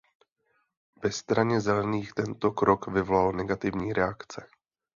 Ve Straně zelených tento krok vyvolal negativní reakce.